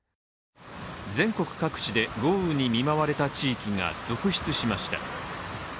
全国各地で豪雨に見舞われた地域が続出しました。